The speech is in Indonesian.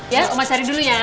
ya oma cari dulu ya